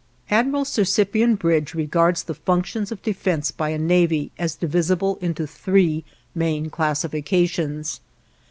II Admiral Sir Cyprian Bridge regards the functions of defense by a navy as divisible into three main classifications.